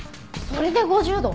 それで５０度！